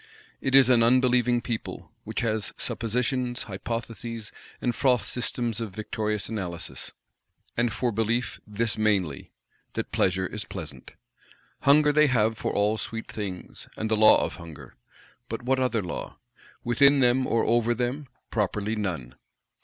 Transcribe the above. It is an unbelieving people; which has suppositions, hypotheses, and froth systems of victorious Analysis; and for belief this mainly, that Pleasure is pleasant. Hunger they have for all sweet things; and the law of Hunger; but what other law? Within them, or over them, properly none!